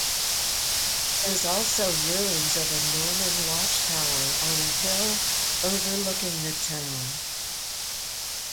There is also ruins of a Norman watchtower on a hill overlooking the town.